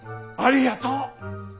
ありがとう。